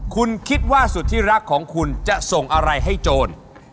คุณคิดว่าสุดที่รักของคุณจะส่งอะไรให้โจร